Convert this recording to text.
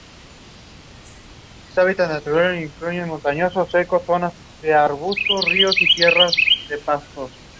Las manzanas son de color amarillo apagado a rojo claro.